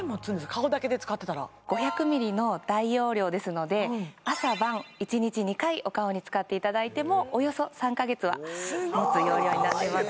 顔だけで使ってたら５００ｍｌの大容量ですので朝晩１日２回お顔に使っていただいてもおよそ３か月はもつ容量になっています